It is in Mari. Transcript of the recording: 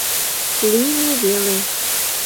Лийме веле!..